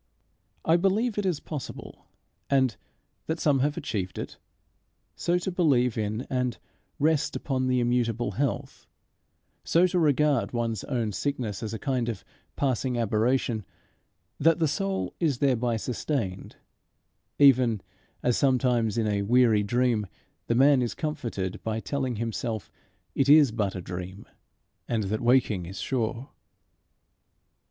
I believe it is possible and that some have achieved it so to believe in and rest upon the immutable Health so to regard one's own sickness as a kind of passing aberration, that the soul is thereby sustained, even as sometimes in a weary dream the man is comforted by telling himself it is but a dream, and that waking is sure.